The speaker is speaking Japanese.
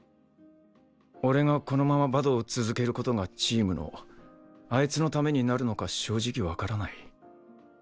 俺がこのままバドを続ける事がチームのあいつのためになるのか正直わからない。